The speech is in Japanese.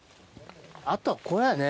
あとはこれやね